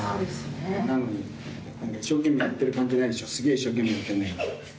なのに、一生懸命やってる感じないでしょ、すげぇ一生懸命やってるのに。